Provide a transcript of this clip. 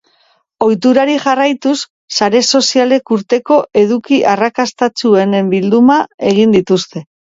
Ohiturari jarraituz, sare sozialek urteko eduki arrakastatsuenen bildumak egin dituzte.